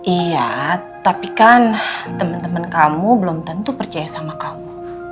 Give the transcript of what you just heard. iya tapi kan teman teman kamu belum tentu percaya sama kamu